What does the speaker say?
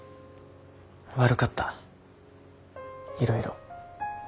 悪かったいろいろ。